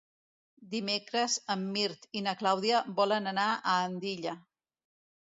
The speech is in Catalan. Dimecres en Mirt i na Clàudia volen anar a Andilla.